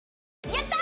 やった！